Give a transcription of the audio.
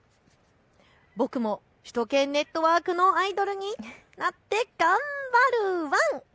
僕も首都圏ネットワークのアイドルになって頑張るワン。